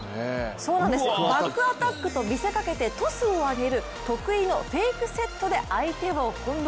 そうなんです、バックアタックと見せかけてトスを上げる得意のフェイクセットで相手を翻弄。